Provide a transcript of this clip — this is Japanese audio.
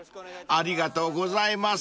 ［ありがとうございます］